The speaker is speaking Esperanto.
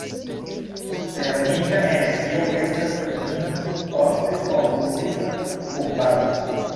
Termika energio estas termino ofte konfuzita kun varmo.